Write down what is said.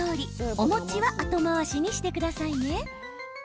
お餅は後回しにしてくださいね。